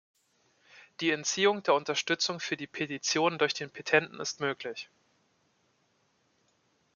Die Entziehung der Unterstützung für die Petition durch den Petenten ist möglich.